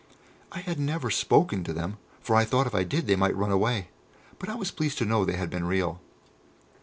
I had never spoken to them, for I thought if I did they might run away; but I was pleased to know they had been real.